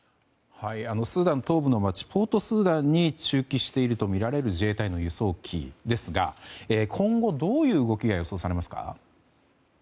スーダン東部の街ポートスーダンに駐機しているとみられる自衛隊の輸送機ですが今後、どういう動きが予想されますか？